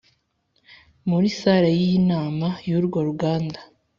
muri sale yinama yurwo ruganda